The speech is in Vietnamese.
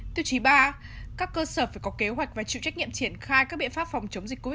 tiêu chí ba các cơ sở phải có kế hoạch và chịu trách nhiệm triển khai các biện pháp phòng chống dịch covid một mươi chín